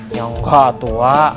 ya enggak tuh wak